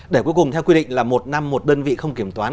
để cuối cùng theo quy định là một năm một đơn vị không kiểm toán